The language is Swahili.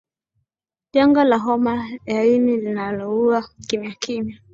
janga la homa ya ini linaloua kimyakimya